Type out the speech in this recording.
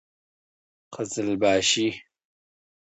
قـــزلــباشــــــــــي